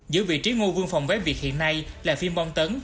giữa vị trí ngu vương phòng vé việt hiện nay là phim bong tấn